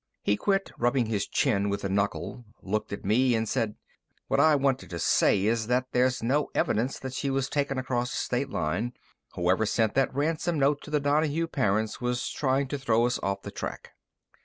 He quit rubbing his chin with a knuckle, looked at me, and said: "What I wanted to say is that there's no evidence that she was taken across a state line. Whoever sent that ransom note to the Donahue parents was trying to throw us off the track."